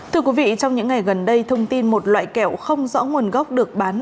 thưa quý vị trong những ngày gần đây thông tin một loại kẹo không rõ nguồn gốc được bán